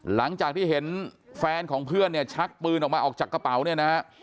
หลังจากที่เห็นแฟนของเพื่อนเนี่ยชักปืนออกมาออกจากกระเป๋าเนี่ยนะฮะ